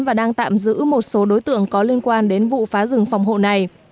và đang tạm giữ một số đối tượng có liên quan đến vụ phá rừng phòng hộ này